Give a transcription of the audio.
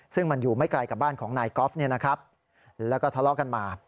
ซึ่งมันอยู่ไม่ไกลกับบ้านของนายกอล์ฟแล้วก็ทะเลาะกันมา